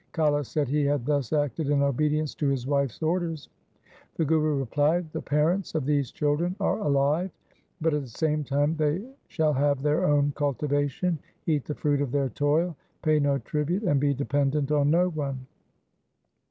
Kala said he had thus acted in obedience to his wife's orders. The Guru replied, ' The parents of these children are alive, but at the same time they shall have their own cultivation, eat the fruit of their toil, pay no tribute, and be dependent on no one.'